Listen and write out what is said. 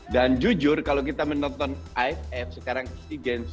dan jujur kalau kita menonton iff sekarang sea games